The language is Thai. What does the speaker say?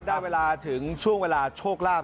ได้เวลาถึงช่วงเวลาโชคลาภ